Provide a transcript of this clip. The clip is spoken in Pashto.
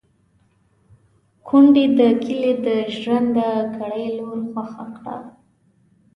کونډې د کلي د ژرنده ګړي لور خوښه کړه.